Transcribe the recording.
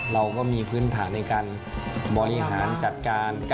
เราก็มีพื้นฐานในการบริหารจัดการ